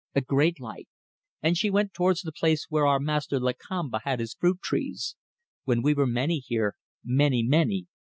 A great light. And she went towards the place where our master Lakamba had his fruit trees. When we were many here. Many, many.